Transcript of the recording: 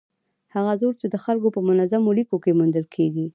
هغه زور چې د خلکو په منظمو لیکو کې موندل کېږي.